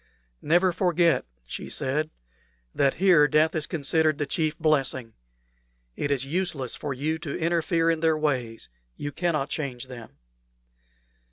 "Never forget," she said, "that here death is considered the chief blessing. It is useless for you to interfere in their ways. You cannot change them."